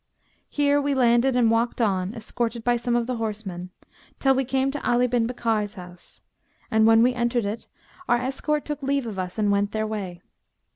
Here we landed and walked on, escorted by some of the horsemen, till we came to Ali bin Bakkar's house; and when we entered it, our escort took leave of us and went their way.